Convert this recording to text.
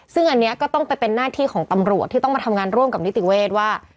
ซึ่งอันนี้ก็ต้องไปเป็นหน้าที่ของตำรวจที่ต้องมาทำงานร่วมกับนิติเวศว่า